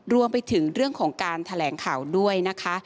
รวมไปถึงเรื่องของการแถลงข่าวด้วยนะคะ